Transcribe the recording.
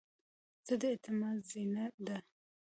زړه د اعتماد زینه ده.